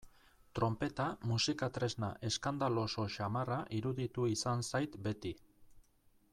Tronpeta musika tresna eskandaloso samarra iruditu izan zait beti.